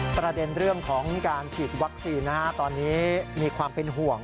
ประเด็นเรื่องของการฉีดวัคซีนตอนนี้มีความเป็นห่วง